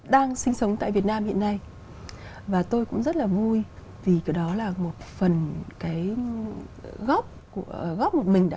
đang sinh sống tại việt nam hiện nay và tôi cũng rất là vui vì cái đó là một phần cái góp một mình đã